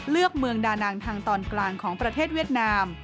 เมืองดานางทางตอนกลางของประเทศเวียดนาม